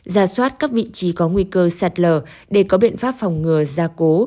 giả soát các vị trí có nguy cơ sạt lở để có biện pháp phòng ngừa ra cố